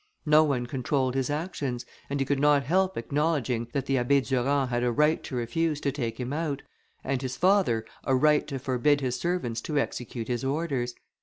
No one controlled his actions, and he could not help acknowledging, that the Abbé Durand had a right to refuse to take him out, and his father a right to forbid his servants to execute his orders.